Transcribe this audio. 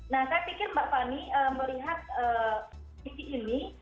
nah saya pikir mbak fani melihat sisi ini